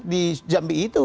di jambi itu